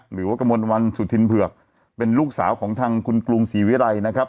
หรือว่ากระมวลวันสุธินเผือกเป็นลูกสาวของทางคุณกรุงศรีวิรัยนะครับ